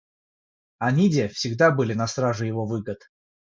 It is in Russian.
Они-де всегда были на страже его выгод.